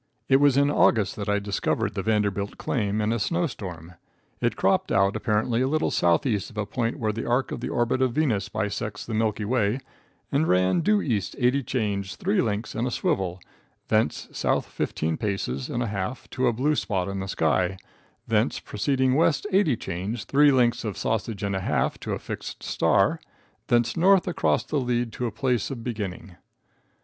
It was in August that I discovered the Vanderbilt claim in a snow storm. It cropped out apparently a little southeast of a point where the arc of the orbit of Venus bisects the milky way, and ran due east eighty chains, three links and a swivel, thence south fifteen paces and a half to a blue spot in the sky, thence proceeding west eighty chains, three links of sausage and a half to a fixed star, thence north across the lead to place of beginning.